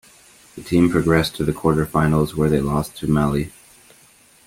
The team progressed to the quarter finals, where they lost to Mali.